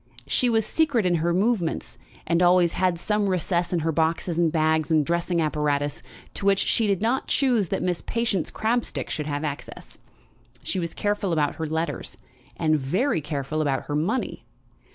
She was secret in her movements, and always had some recess in her boxes and bags and dressing apparatuses to which she did not choose that Miss Patience Crabstick should have access. She was careful about her letters, and very careful about her money.